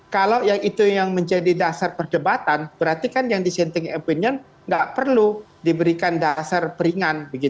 kalau yang itu yang menjadi dasar perdebatan berarti kan yang dissenting opinion nggak perlu diberikan dasar peringan